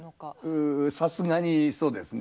さすがにそうですね。